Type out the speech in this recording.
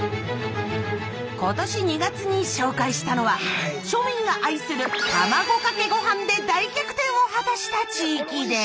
今年２月に紹介したのは庶民が愛する「卵かけご飯」で大逆転を果たした地域です。